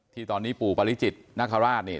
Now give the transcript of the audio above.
ที่ตอนนี้ปู่ปริจิตนคราชเนี่ย